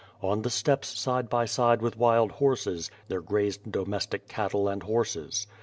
On the steppes side by side with wild horses, there grazed domestic cattle and horses.